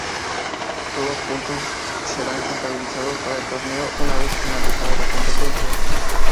Los puntos serán contabilizados para el torneo una vez finalizada la competencia.